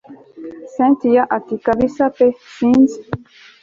cyntia ati kabsa pe sinzi